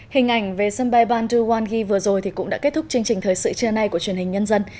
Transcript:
hình ảnh về sân bay ban du wangi vừa rồi cũng đã kết thúc chương trình thời sự trưa nay của truyền hình nhân dân